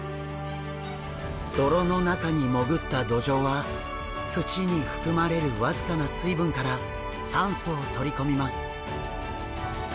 泥の中に潜ったドジョウは土に含まれる僅かな水分から酸素を取り込みます。